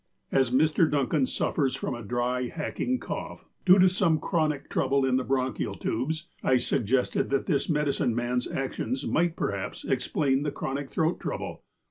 As Mr. Duncan suffers from a dry, hacking cough, due to some chronic trouble in the bronchial tubes, I sug gested that this medicine man's actions might perhaps explain this chronic throat trouble.